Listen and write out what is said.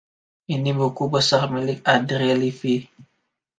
Ini buku besar milik Andrea Levy.